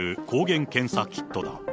抗原検査キットだ。